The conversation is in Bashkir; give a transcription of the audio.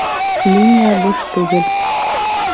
Линия буш түгел